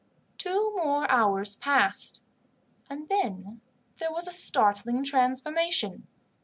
Two more hours passed, and then there was a startling transformation.